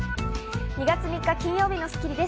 ２月３日、金曜日の『スッキリ』です。